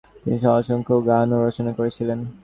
তিনি অসংখ্য গানও রচনা করেছিলেন।